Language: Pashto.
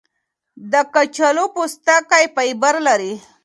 د کچالو پوستکی فایبر لري.